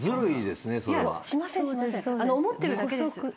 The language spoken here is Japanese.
思ってるだけです。